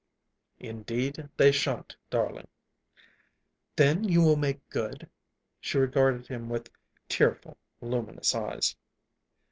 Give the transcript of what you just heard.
"Indeed they shan't, darling." "Then you will make good?" she regarded him with tearful, luminous eyes.